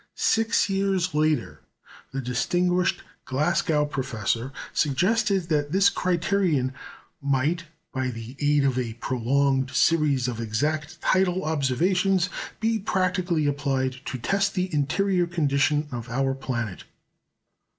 Six years later, the distinguished Glasgow professor suggested that this criterion might, by the aid of a prolonged series of exact tidal observations, be practically applied to test the interior condition of our planet.